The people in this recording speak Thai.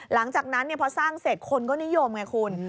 หลังจากนั้นพอสร้างเสร็จคนก็นิยมไงคุณ